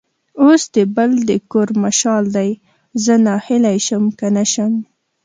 اوس د بل د کور مشال دی؛ زه ناهیلی شم که نه شم.